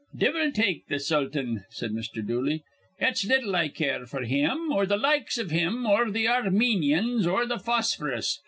"Divvle take th' sultan," said Mr. Dooley. "It's little I care f'r him or th' likes iv him or th' Ar menyans or th' Phosphorus.